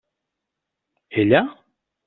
Ella?